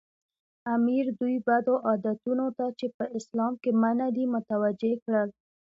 امیر دوی بدو عادتونو ته چې په اسلام کې منع دي متوجه کړل.